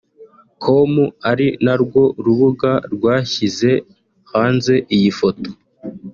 com ari narwo rubuga rwashyize hanze iyi foto